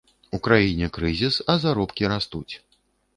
У краіне крызіс, а заробкі растуць.